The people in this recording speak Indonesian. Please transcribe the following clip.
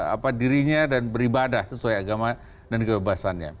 apa dirinya dan beribadah sesuai agama dan kebebasannya